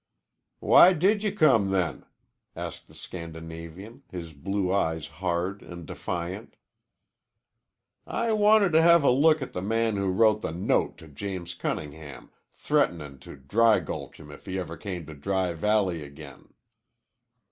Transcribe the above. "Why did you come, then?" asked the Scandinavian, his blue eyes hard and defiant. "I wanted to have a look at the man who wrote the note to James Cunningham threatenin' to dry gulch him if he ever came to Dry Valley again."